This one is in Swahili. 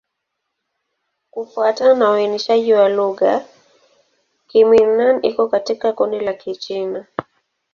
Kufuatana na uainishaji wa lugha, Kimin-Nan iko katika kundi la Kichina.